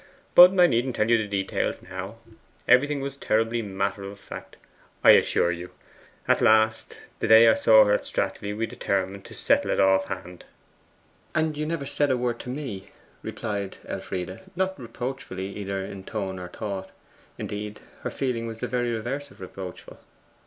But I needn't tell you details now; everything was terribly matter of fact, I assure you. At last, that day I saw her at Stratleigh, we determined to settle it off hand.' 'And you never said a word to me,' replied Elfride, not reproachfully either in tone or thought. Indeed, her feeling was the very reverse of reproachful.